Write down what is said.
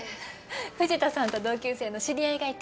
藤田さんと同級生の知り合いがいて。